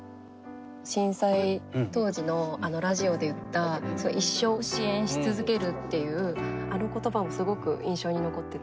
震災当時のあのラジオで言った「一生支援し続ける」っていうあの言葉もすごく印象に残ってて。